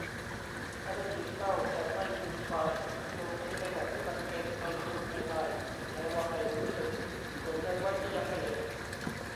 อาดาจิ เศร้า แต่ไม่ฟูมฟาย โลกนี้ในแบบที่มันเป็น ไม่พูดไม่ได้แปลว่าไม่รู้สึก เผื่อใจไว้ที่ยังไม่เห็น